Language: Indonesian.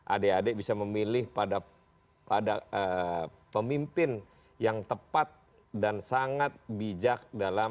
adik adik bisa memilih pada pemimpin yang tepat dan sangat bijak dalam